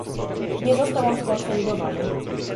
nie został on skonsolidowany